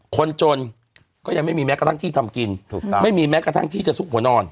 คนจนก็ยังไม่มีแม้กระทั่งที่ทำกินถูกต้องไม่มีแม้กระทั่งที่จะซุกหัวนอน